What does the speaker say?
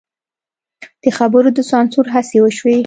د خبر د سانسور هڅې وشوې.